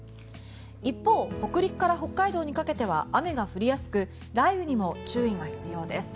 一方、北陸から北海道にかけては雨が降りやすく雷雨にも注意が必要です。